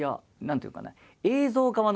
何ていうかね